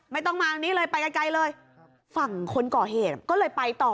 ไม่ต้องมาตรงนี้เลยไปไกลเลยฝั่งคนก่อเหตุก็เลยไปต่อ